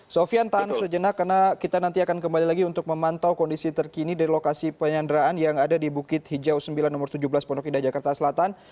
sofian tahan sejenak karena kita nanti akan kembali lagi untuk memantau kondisi terkini dari lokasi penyanderaan yang ada di bukit hijau sembilan no tujuh belas pondok indah jakarta selatan